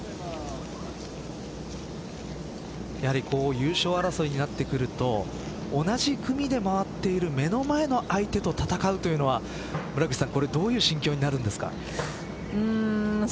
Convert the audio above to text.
優勝争いになってくると同じ組で回っている目の前の相手と戦うというのはどういう心境になるんですか。